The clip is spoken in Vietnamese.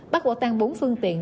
bắt bỏ tan bốn phương tiện